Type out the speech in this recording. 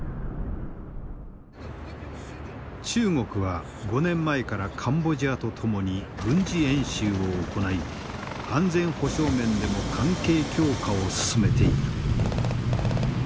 中国は５年前からカンボジアと共に軍事演習を行い安全保障面でも関係強化を進めている。